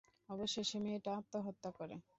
অবশেষে মেয়েটা আত্মহত্যা করে।